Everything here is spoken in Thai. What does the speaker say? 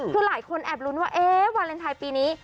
คือหลายคนแอบลุ้นว่าวาเลนไทยปีนี้